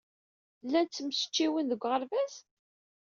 Llan ttmecčiwen deg uɣerbaz?